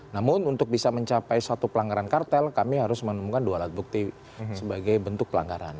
namun untuk bisa mencapai suatu pelanggaran kartel kami harus menemukan dua alat bukti sebagai bentuk pelanggaran